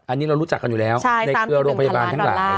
อันนี้เรารู้จักกันอยู่แล้วในเครือโรงพยาบาลทั้งหลาย